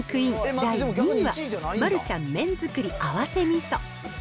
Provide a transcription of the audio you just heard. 第２位は、マルちゃん麺づくり合わせ味噌。